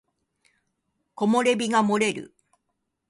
木漏れ日が漏れる